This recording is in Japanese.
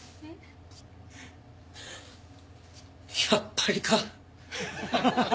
やっぱりか。